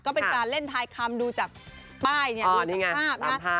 ก็เป็นการเล่นทายคำดูจากป้ายเนี่ยดูจากภาพนะ